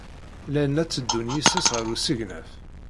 Llan la tteddun yes-s ɣer usegnaf.